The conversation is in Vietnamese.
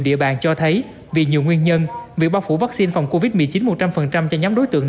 địa bàn cho thấy vì nhiều nguyên nhân việc bao phủ vaccine phòng covid một mươi chín một trăm linh cho nhóm đối tượng